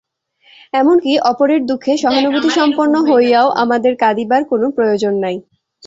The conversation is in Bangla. এমন কি, অপরের দুঃখে সহানুভূতিসম্পন্ন হইয়াও আমাদের কাঁদিবার কোন প্রয়োজন নাই।